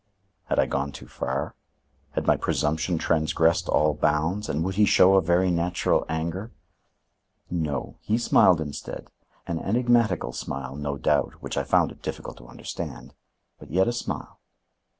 Had I gone too far? Had my presumption transgressed all bounds and would he show a very natural anger? No, he smiled instead, an enigmatical smile, no doubt, which I found it difficult to understand, but yet a smile.